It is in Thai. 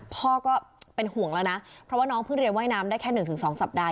พ่อก็เป็นห่วงแล้วนะเพราะว่าน้องเพิ่งเรียนว่ายน้ำได้แค่๑๒สัปดาห์